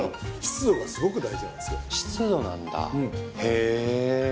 湿度なんだへぇ。